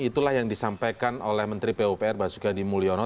itulah yang disampaikan oleh menteri pupr basuki adhimulyono